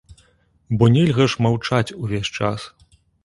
Бо нельга ж маўчаць увесь час.